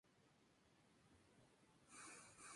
Esta cofradía es heredera de la tradición franciscana.